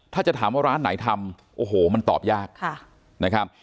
ถ้าจะถามว่าร้านไหนทำโอ้โหมันตอบยากนะครับ